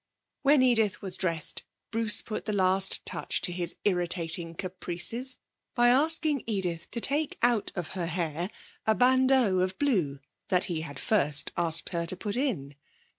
When Edith was dressed Bruce put the last touch to his irritating caprices by asking Edith to take out of her hair a bandeau of blue that he had first asked her to put in.